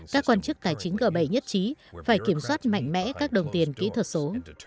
các quan chức tài chính g bảy nhất trí phải kiểm soát mạnh mẽ các đồng tiền kỹ thuật số